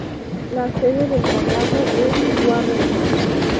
La sede del condado es Warrenton.